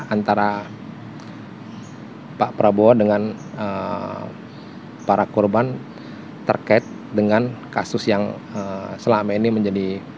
antara pak prabowo dengan para korban terkait dengan kasus yang selama ini menjadi